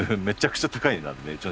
めちゃくちゃ高い値段で。